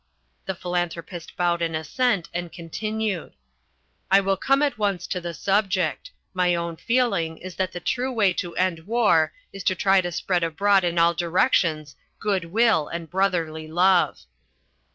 The Philanthropist bowed in assent and continued: "I will come at once to the subject. My own feeling is that the true way to end war is to try to spread abroad in all directions goodwill and brotherly love."